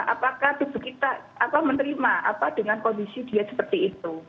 apakah tubuh kita menerima dengan kondisi dia seperti itu